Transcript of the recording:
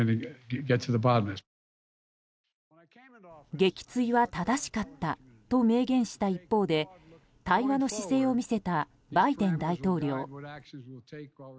撃墜は正しかったと明言した一方で対話の姿勢を見せたバイデン大統領。